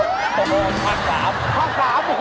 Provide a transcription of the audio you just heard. พันธุ์๓